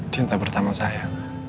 cinta pertama saya mak